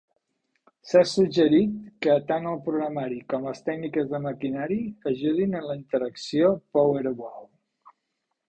S"ha suggerit que tant el programari com les tècniques de maquinari ajudin en la interacció Powerwall.